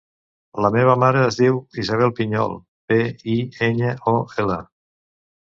La meva mare es diu Isabella Piñol: pe, i, enya, o, ela.